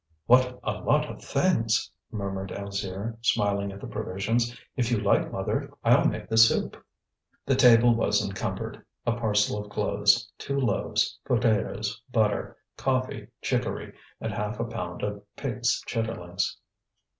"What a lot of things!" murmured Alzire, smiling at the provisions. "If you like, mother, I'll make the soup." The table was encumbered: a parcel of clothes, two loaves, potatoes, butter, coffee, chicory, and half a pound of pig's chitterlings.